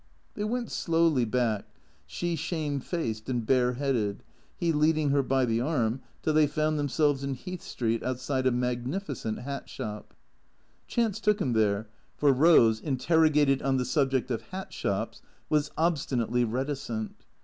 They went slowly back, she shamefaced and bareheaded, he leading her by the arm till they found themselves in Heath Street outside a magnificent hat shop. Chance took him there, for Rose, interrogated on the subject of hat shops, was obstinately reticent.